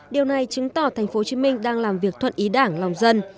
điều này chứng tỏ tp hcm đang làm việc thuận ý đảng lòng dân